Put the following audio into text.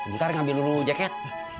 ntar ngambil dulu jaket